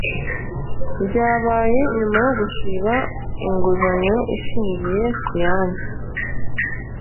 byabaye nyuma yo gusiba inguzanyo ishingiye ku yandi